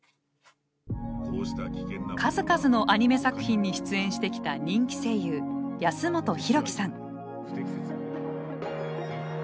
数々のアニメ作品に出演してきた人気声優安元洋貴さん。